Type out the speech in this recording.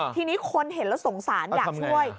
ทีนี้คนเห็นแล้วสงสารอยากช่วย